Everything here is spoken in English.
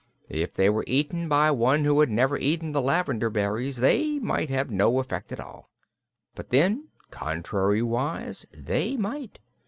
"If they were eaten by one who had never eaten the lavender berries, they might have no effect at all; but then, contrarywise, they might.